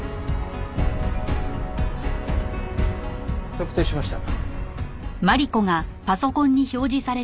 測定しました。